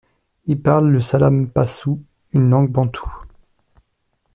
Ils parlent le salampasu, une langue bantoue.